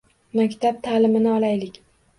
Maktab ta`limini olaylik